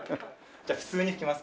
じゃあ普通に吹きます。